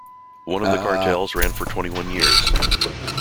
One of the cartels ran for twenty-one years.